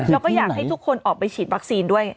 แล้วก็อยากให้ทุกคนออกไปฉีดวัคซีนด้วย